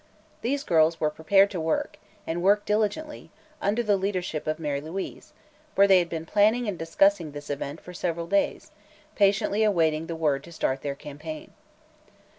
These girls were prepared to work, and work diligently, under the leadership of Mary Louise, for they had been planning and discussing this event for several days, patiently awaiting the word to start their campaign.